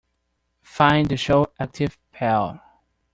Find the show ActivePerl